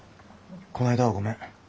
この間はごめん。